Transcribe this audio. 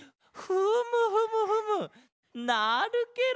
フムフムフムなるケロ！